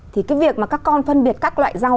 thì cái việc mà các con phân biệt các loại rau